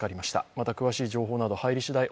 また詳しい情報など入りしだい